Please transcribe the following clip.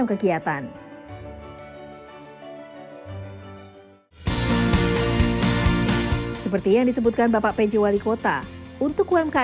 dekat biasa lah ya